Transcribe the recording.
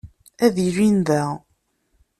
Ad ilin da.